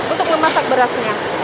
untuk memasak berasnya